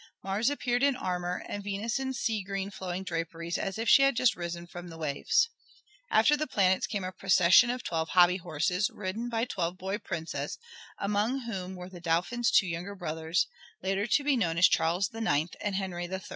Mars appeared in armor, and Venus in sea green flowing draperies as if she had just risen from the waves. After the planets came a procession of twelve hobby horses, ridden by twelve boy princes, among whom were the Dauphin's two younger brothers, later to be known as Charles IX and Henry III.